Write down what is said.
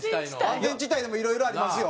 安全地帯でもいろいろありますよ。